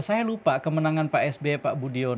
saya lupa kemenangan pak sby pak budiono